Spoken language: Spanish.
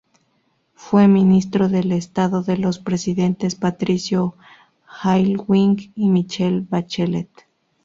Fue ministro de Estado de los presidentes Patricio Aylwin y Michelle Bachelet.